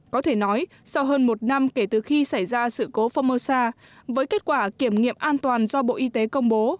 có thể nói sau hơn một năm kể từ khi xảy ra sự cố formosa với kết quả kiểm nghiệm an toàn do bộ y tế công bố